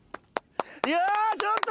いやちょっと！